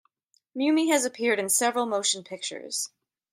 Mumy has appeared in several motion pictures.